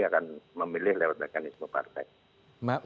akan memilih lewat mekanisme partai